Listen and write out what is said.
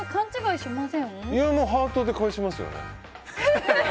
いや、ハートで返しますよね。